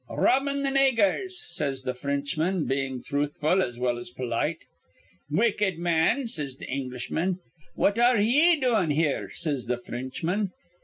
'Robbin' th' naygurs,' says th' Fr rinchman, bein' thruthful as well as polite. 'Wicked man,' says th' Englishman. 'What ar re ye doin' here?' says the Fr rinchman.